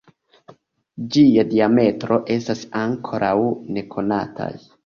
Ĝia diametro estas ankoraŭ nekonataj.